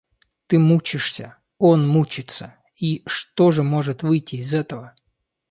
Ты мучишься, он мучится, и что же может выйти из этого?